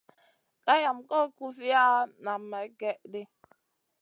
Gayam goy kuziya nam may gèh ɗi.